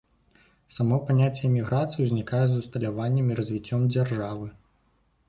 Само паняцце эміграцыі ўзнікае з усталяваннем і развіццём дзяржавы.